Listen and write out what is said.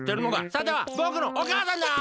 さてはぼくのおかあさんだな！